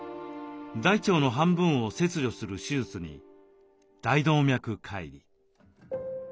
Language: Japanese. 大腸の半分を切除する手術に大動脈かい離。